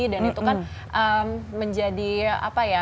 dan itu kan menjadi apa ya